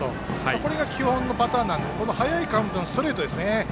これが基本のパターンなので早いカウントのストレートですね。